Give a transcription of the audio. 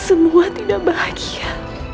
aku tidak bahagia